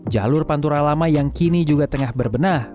jalur pantura lama yang kini juga tengah berbenah